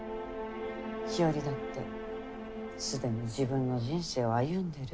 日和だってすでに自分の人生を歩んでる。